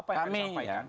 apa yang akan disampaikan